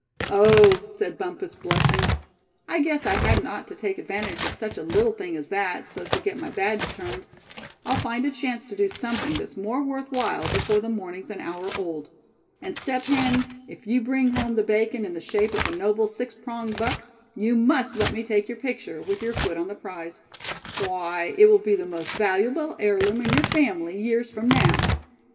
"Oh!" said Bumpus, blushing, "I guess I hadn't ought to take advantage of such a little thing as that, so's to get my badge turned. I'll find a chance to do something that's more worth while, before the morning's an hour old. And Step Hen, if you bring home the bacon in the shape of a noble six pronged buck, you must let me take your picture, with your foot on the prize. Why, it will be the most valuable heirloom in your family, years from now.